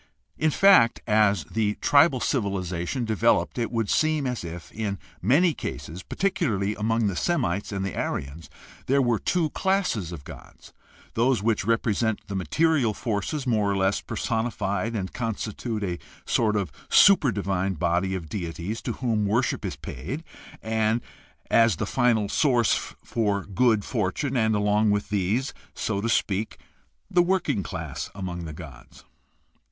In fact, as the tribal civiHzation developed it would seem as if, in many cases, particularly among the Semites and the Aryans, there were two classes of gods — those which represent the material forces more or less personi fied and constitute a sort of super divine body of deities to whom worship is to be paid as the final sources of good for tune, and, along with these, so to speak, the working class among the gods.